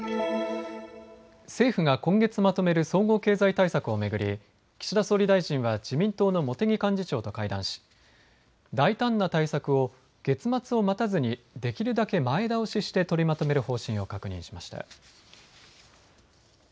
政府が今月まとめる総合経済対策を巡り、岸田総理大臣は自民党の茂木幹事長と会談し大胆な対策を月末を待たずにできるだけ前倒しして取りまとめる方針を確認しました。